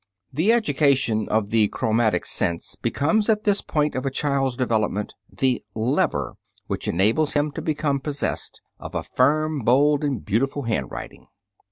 The education of the chromatic sense becomes at this point of a child's development the lever which enables him to become possessed of a firm, bold and beautiful handwriting.